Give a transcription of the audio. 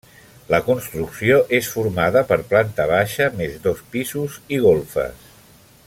La construcció és formada per planta baixa més dos pisos i golfes.